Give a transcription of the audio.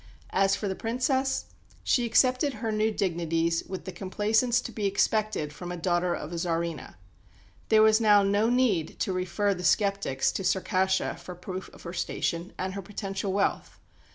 As for the Princess, she accepted her new dignities with the complaisance to be expected from the daughter of a Tsarina. There was now no need to refer the sceptics to Circassia for proof of her station and her potential wealth.